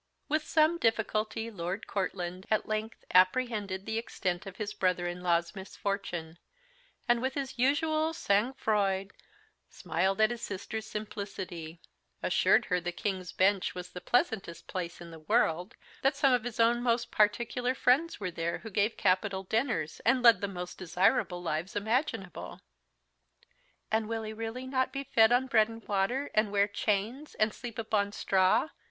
With some difficulty Lord Courtland at length apprehended the extent of his brother in Iaw's misfortune; and, with his usual sang froid, smiled at his sister's simplicity, assured her the King's Bench was the pleasantest place in the world; that some of his own most particular friends were there, who gave capital dinners, and led the most desirable lives imaginable. "And will he really not be fed on bread and water, and wear chains, and sleep upon straw?"